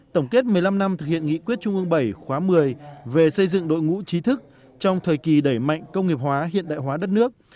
tổng kết một mươi năm năm thực hiện nghị quyết trung ương bảy khóa một mươi về xây dựng đội ngũ trí thức trong thời kỳ đẩy mạnh công nghiệp hóa hiện đại hóa đất nước